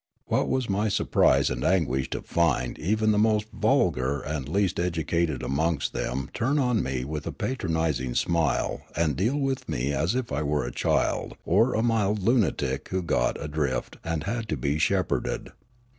What was my surprise and anguish to find even the most vulgar and least educated amongst them turn on me with a patronising smile and deal with me as if I were a child or a mild lunatic who had got adrift and had to be shepherded